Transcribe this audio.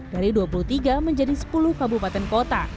dari dua puluh tiga menjadi sepuluh kabupaten kota